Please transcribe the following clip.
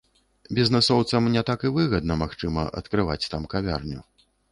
Бізнэсоўцам не так і выгадна, магчыма, адкрываць там кавярню.